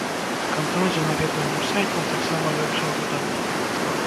Кантроль за наведваннем сайтаў таксама вёўся ўжо даўно.